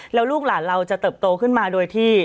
แล้วลูกหลานเราจะเติบโตขึ้นมาโดยที่